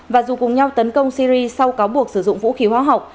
và dù cùng nhau tấn công syri sau cáo buộc sử dụng vũ khí hóa học